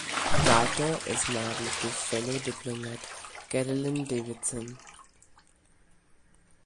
Carter is married to fellow diplomat Carolyn Davidson.